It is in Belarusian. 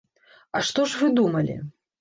А што ж вы думалі?